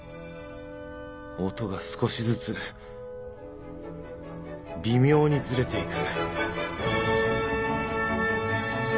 音が少しずつ微妙にずれていく